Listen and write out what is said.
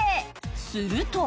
すると。